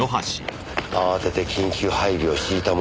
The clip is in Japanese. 慌てて緊急配備を敷いたものの。